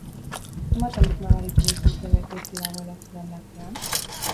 Zenbat aldiz nabaritu duzu zerbait gaizki dagoela zure aldartean?